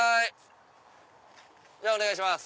お願いします。